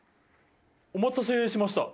お待たせしました。